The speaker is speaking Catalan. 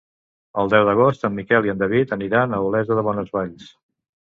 El deu d'agost en Miquel i en David aniran a Olesa de Bonesvalls.